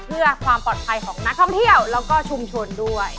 เพื่อความปลอดภัยของนักท่องเที่ยวแล้วก็ชุมชนด้วย